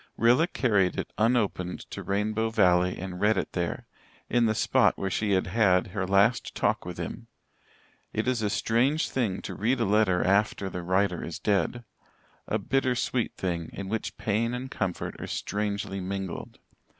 Rilla carried it unopened to Rainbow Valley and read it there, in the spot where she had had her last talk with him. It is a strange thing to read a letter after the writer is dead a bitter sweet thing, in which pain and comfort are strangely mingled.